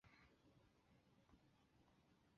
阿戈讷地区东巴勒人口变化图示